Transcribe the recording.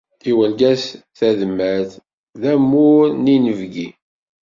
I urgaz tadmert, d amur n yinebgi.